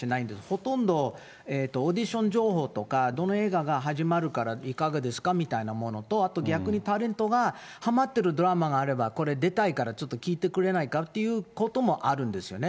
ほとんど、オーディション情報とか、どの映画が始まるからいかがですかみたいなものと、あと逆に、タレントがはまってるドラマがあれば、これ出たいからちょっと聞いてくれないかということもあるんですよね。